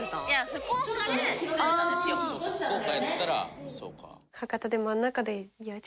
「福岡やったらそうか」